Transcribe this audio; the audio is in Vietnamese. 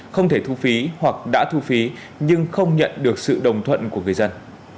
không thể thu phí hoặc đã thu phí nhưng không nhận được sự đồng thuận của người dân